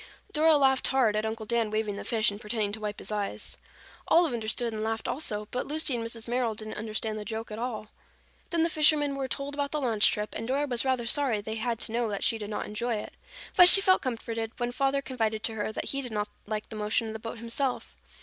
Dora laughed hard at Uncle Dan waving the fish and pretending to wipe his eyes. Olive understood and laughed also, but Lucy and Mrs. Merrill didn't understand the joke at all. Then the fishermen were told about the launch trip and Dora was rather sorry they had to know that she did not enjoy it. But she felt comforted when Father confided to her that he did not like the motion of the boat himself.